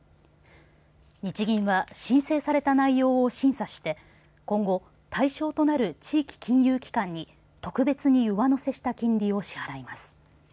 日銀は申請された内容を審査して今後、対象となる地域金融機関に特別に上乗せした金利を支払います。